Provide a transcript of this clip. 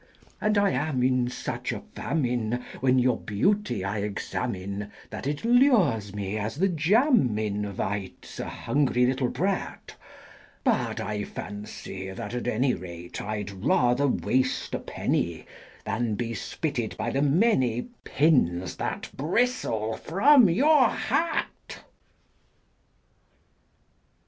And I am in such a famine when your beauty I examine That it lures me as the jam invites a hungry little brat; But I fancy that, at any rate, I'd rather waste a penny Than be spitted by the many pins that bristle from your hat.